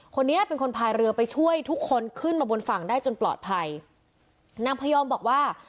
คนนี้เป็นคนพายเรือไปช่วยทุกคนขึ้นมาบนฝั่งได้จนปลอดภัยนางพยอมบอกว่า